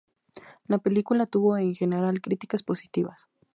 La película tuvo en general críticas positivas.